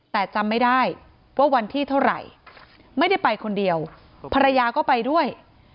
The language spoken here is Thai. แต่จำไม่ได้ว่าวันที่เท่าไหร่ไม่ได้ไปคนเดียวภรรยาก็ไปด้วย